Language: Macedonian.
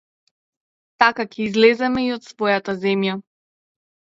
Така ќе излеземе и од својата земја.